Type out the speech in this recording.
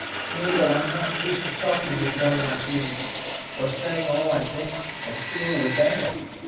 "Mabel, I'm not used to talking with one like you, or saying all I think and feel with any.